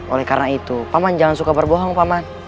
oleh karena itu paman jangan suka berbohong paman